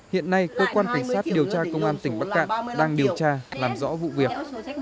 hiện nay cơ quan cảnh sát điều tra công an tỉnh bắc cạn đang điều tra làm rõ vụ việc